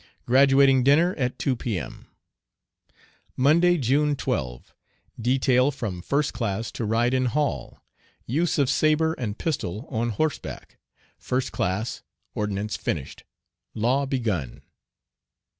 Graduating dinner at 2 P.M. Monday, June 12. Detail from first class to ride in hall. Use of sabre and pistol on horseback. First class, ordnance finished. Law begun.